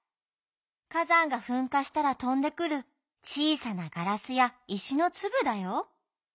火山がふんかしたらとんでくるちいさなガラスや石のつぶだよ。